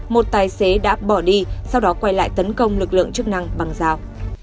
một tài xế đã bỏ đi sau đó quay lại tấn công lực lượng chức năng bằng dao